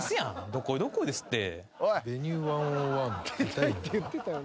どっこいどっこいですって。